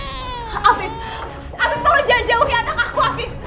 afif tolong jangan jauhi anak aku afif